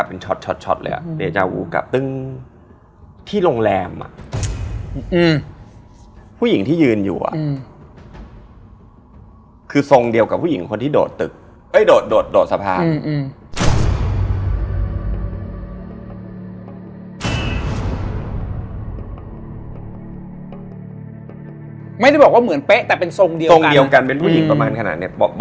บอกว่ามีเด็กตามเยอะมากเลย